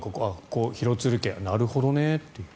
廣津留家はなるほどねっていう。